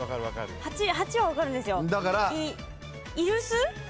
８は分かるんですよ。